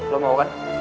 lo mau kan